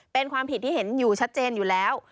เป็นความผิดที่เห็นอยู่ชัดเจนอยู่แล้ว